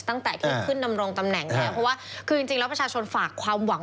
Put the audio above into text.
ตั้งแต่ที่ขึ้นดำรงตำแหน่งแล้วเพราะว่าคือจริงแล้วประชาชนฝากความหวัง